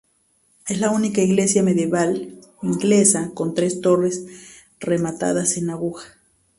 Es la única iglesia medieval inglesa con tres torres rematadas en aguja.